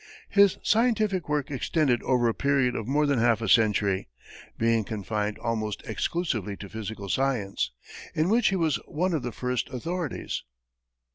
His scientific work extended over a period of more than half a century, being confined almost exclusively to physical science, in which he was one of the first authorities.